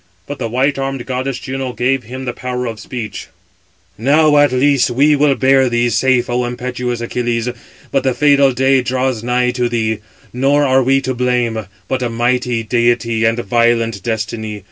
But the white armed goddess Juno gave him the power of speech: "Now, at least, we will bear thee safe, O impetuous Achilles: but the fatal day draws nigh to thee; nor are we to blame, but a mighty deity and violent destiny.